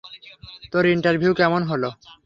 তোর ইন্টারভিউ কেমন হলো?